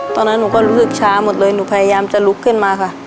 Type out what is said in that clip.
ตอนนั้นหนูก็รู้สึกช้าหมดเลยหนูพยายามจะลุกขึ้นมาค่ะ